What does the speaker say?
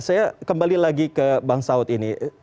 saya kembali lagi ke bang saud ini